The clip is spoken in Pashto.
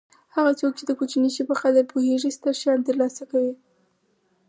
هغه څوک چې د کوچني شي په قدر پوهېږي ستر شیان ترلاسه کوي.